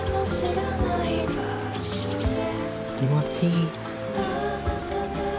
気持ちいい。